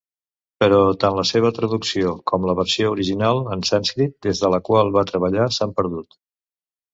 Però tant la seva traducció com la versió original en sànscrit des de la qual va treballar s'han perdut.